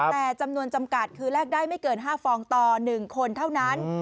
แต่จำนวนจำกัดคือแลกได้ไม่เกิน๕ฟองต่อ๑คนเท่านั้น